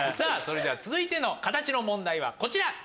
それでは続いてのカタチの問題はこちら。